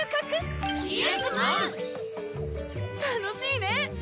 楽しいね！